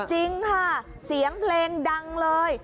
จริงค่ะเสียงเพลงดังเลย